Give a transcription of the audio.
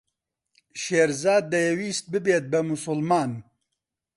شێرزاد دەیویست ببێت بە موسڵمان.